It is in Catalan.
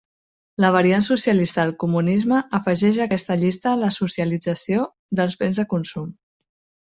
La variant socialista del comunisme afegeix a aquesta llista la socialització dels béns de consum.